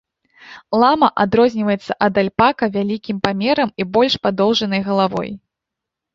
Лама адрозніваецца ад альпака вялікім памерам і больш падоўжанай галавой.